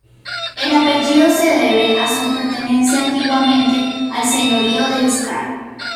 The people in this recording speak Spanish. El apellido se debe a su pertenencia antiguamente al señorío de Íscar.